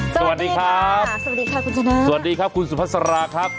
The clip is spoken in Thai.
สวัสดีครับสวัสดีค่ะคุณชนะสวัสดีครับคุณสุภาษาราครับ